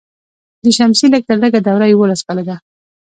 د شمسي لږ تر لږه دوره یوولس کاله ده.